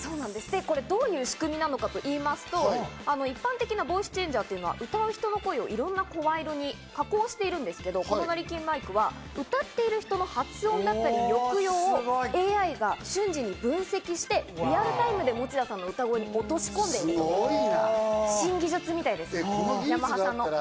どういう仕組みなのかと言いますと、一般的なボイスチェンジャーというのは歌う人の声をいろんな声色に加工しているんですが、このなりきりマイクは歌っている人の発音だったり抑揚をＡＩが瞬時に分析してリアルタイムで持田さんの歌声に落とし込んでいる新技術みたいです、ヤマハさんの。